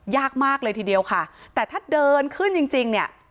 ยากมากเลยทีเดียวค่ะแต่ถ้าเดินขึ้นจริงจริงเนี่ย